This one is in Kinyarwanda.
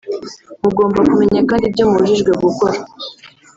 mugomba kumenya kandi ibyo mubujijwe gukora